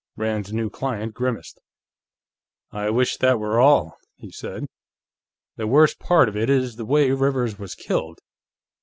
Rand's new client grimaced. "I wish that were all!" he said. "The worst part of it is the way Rivers was killed.